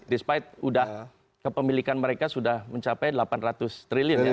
despite kepemilikan mereka sudah mencapai delapan ratus triliun